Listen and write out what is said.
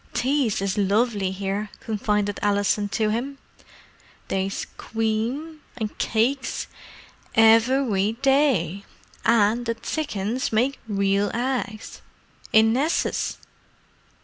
"Tea's is lovely here," confided Alison to him. "They's cweam—an' cakes, evewy day. An' the tsickens make weal eggs, in nesses!"